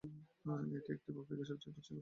এটি আফ্রিকার সবচেয়ে পশ্চিমের শহর।